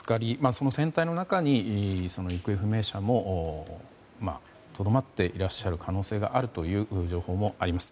その船体の中に行方不明者もとどまっていらっしゃる可能性があるという情報もあります。